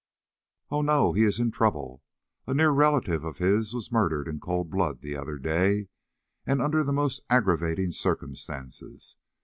"Oh, no; he is in trouble. A near relative of his was murdered in cold blood the other day, and under the most aggravating circumstances.